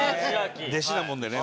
弟子なもんでね